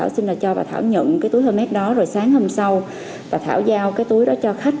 sau khi nhận túi thơm hét đó sáng hôm sau bà thảo giao túi đó cho khách